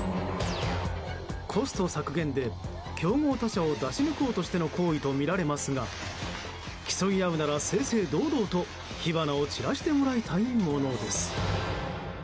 コスト削減で競合他社を出し抜こうとしての行為とみられますが競い合うなら正々堂々と火花を散らしてもらいたいものです。